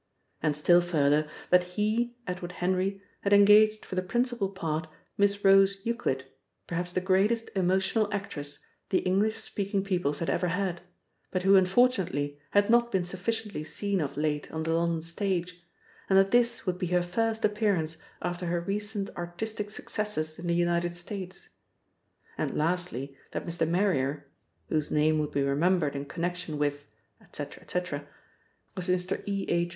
And still further, that he, Edward Henry, had engaged for the principal part Miss Rose Euclid, perhaps the greatest emotional actress the English speaking peoples had ever had, but who unfortunately had not been sufficiently seen of late on the London stage, and that this would be her first appearance after her recent artistic successes in the United States. And lastly, that Mr. Marrier (whose name would be remembered in connection with ... etc., etc.) was Mr. E. H.